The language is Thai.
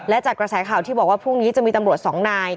และจากกระแสข่าวที่บอกว่าพรุ่งนี้จะมีตำรวจสองนาย